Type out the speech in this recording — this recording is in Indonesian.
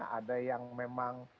ada yang memang